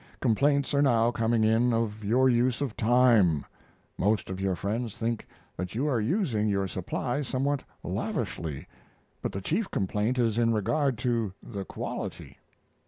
Complaints are now coming in of your use of time. Most of your friends think that you are using your supply somewhat lavishly, but the chief complaint is in regard to the quality.